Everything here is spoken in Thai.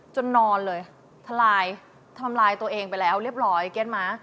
นอนเลยทลายทำลายตัวเองไปแล้วเรียบร้อยเก็ตมั้ย